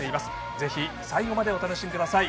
ぜひ最後までお楽しみください。